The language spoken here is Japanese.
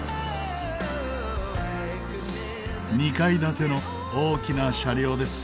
２階建ての大きな車両です。